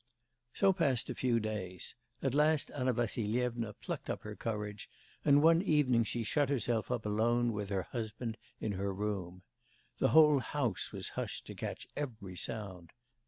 So passed a few days. At last Anna Vassilyevna plucked up her courage, and one evening she shut herself up alone with her husband in her room. The whole house was hushed to catch every sound.